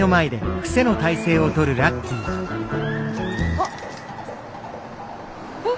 あっ。